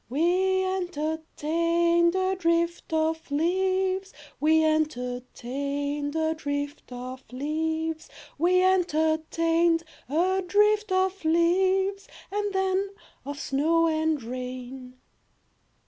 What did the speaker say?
We entertained a drift of leaves, We entertained a drift of leaves, We entertained a drift of leaves, And then of snow and rain.